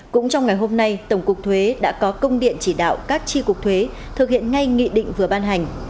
cũng trong ngày hôm nay tổng cục thuế đã có công điện chỉ đạo các tri cục thuế thực hiện ngay nghị định vừa ban hành